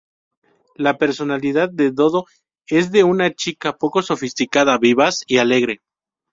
La personalidad de Dodo es de una chica poco sofisticada, vivaz y alegre.